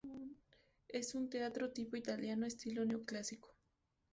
Es un teatro tipo italiano estilo neoclásico.